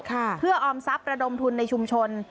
เพื่อออมทรัพย์ระดมทุนในชุมชน